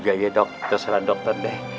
gaya dok terserah dokter deh